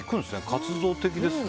活動的ですね。